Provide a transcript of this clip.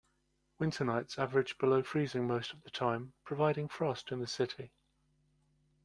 Winter nights average below freezing most of the time, providing frost in the city.